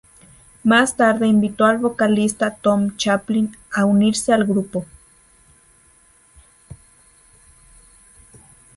Más tarde invitó al vocalista Tom Chaplin a unirse al grupo.